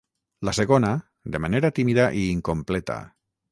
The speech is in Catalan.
la segona, de manera tímida i incompleta